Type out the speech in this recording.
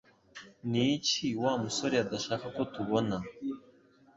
Ni iki Wa musore adashaka ko tubona